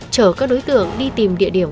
chở các đối tượng đi tìm địa điểm